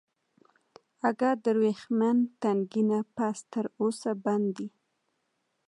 اگه د ورېښمين تنګي نه پس تر اوسه بند دی.